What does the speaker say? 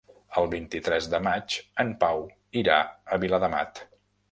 El vint-i-tres de maig en Pau irà a Viladamat.